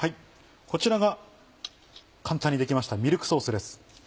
こちらが簡単にできましたミルクソースです。